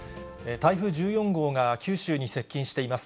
台風１４号が九州に接近しています。